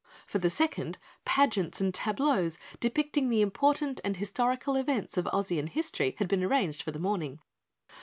For the second, pageants and tableaux depicting the important and historical events of Ozian history had been arranged for the morning.